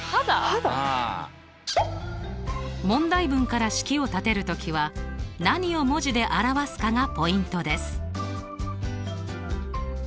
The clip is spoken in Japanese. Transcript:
問題文から式を立てるときは何を文字で表すかがポイントです。